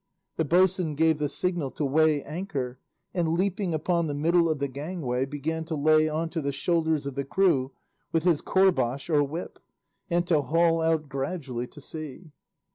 The boatswain gave the signal to weigh anchor, and leaping upon the middle of the gangway began to lay on to the shoulders of the crew with his courbash or whip, and to haul out gradually to sea.